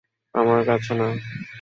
- আমার কাছে না।